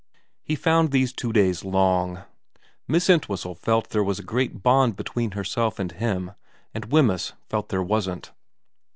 He found these two days long. Miss Entwhistle felt there was a great bond between herself and him, and Wemyss felt there wasn't.